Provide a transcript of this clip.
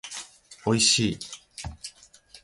おいしい